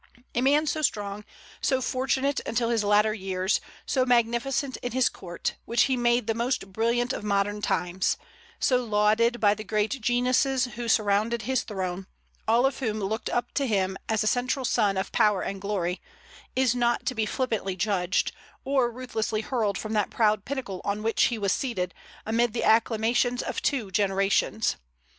A man so strong, so fortunate until his latter years; so magnificent in his court, which he made the most brilliant of modern times; so lauded by the great geniuses who surrounded his throne, all of whom looked up to him as a central sun of power and glory, is not to be flippantly judged, or ruthlessly hurled from that proud pinnacle on which he was seated, amid the acclamations of two generations.